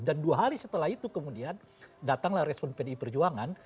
dan dua hari setelah itu kemudian datanglah respon pdi perjuangan